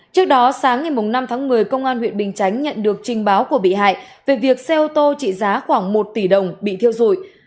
trước đó sáng ngày năm tháng một mươi công an huyện bình chánh nhận được trình báo của bị hại về việc xe ô tô trị giá khoảng một tỷ đồng bị thiêu dụi